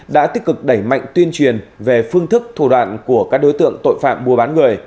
đã tích cực đẩy mạnh tuyên truyền về phương thức thủ đoạn của các đối tượng tội phạm mua bán người